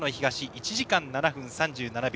１時間７分３７秒。